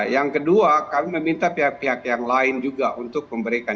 yang kedua kami meminta pihak pihak yang lain juga untuk memberikan